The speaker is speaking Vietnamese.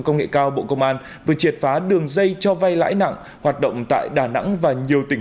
công nghệ cao bộ công an vừa triệt phá đường dây cho vay lãi nặng hoạt động tại đà nẵng và nhiều tỉnh